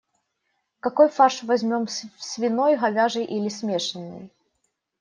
Какой фарш возьмём - свиной, говяжий или смешанный?